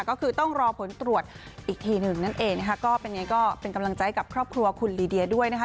ก็คือต้องรอผลตรวจอีกทีหนึ่งนั่นเองเป็นกำลังใจกับครอบครัวคุณลิเดียด้วยนะคะ